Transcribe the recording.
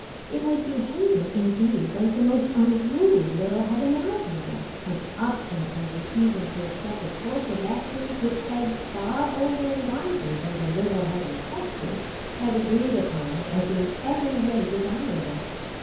It was behaving, indeed, like the most unruly little head imaginable, and obstinately refusing to accept a course of action which heads far older and wiser than the little head in question had agreed upon as in every way desirable.